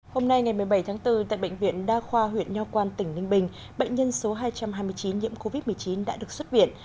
hôm nay ngày một mươi bảy tháng bốn tại bệnh viện đa khoa huyện nho quan tỉnh ninh bình bệnh nhân số hai trăm hai mươi chín nhiễm covid một mươi chín đã được xuất viện